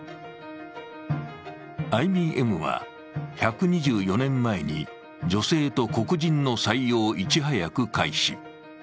ＩＢＭは１２４年前に、女性と黒人の採用をいち早く開始。